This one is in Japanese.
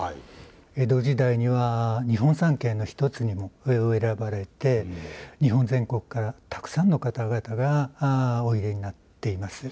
江戸時代には日本三景の１つにも選ばれて日本全国からたくさんの方々がおいでになっています。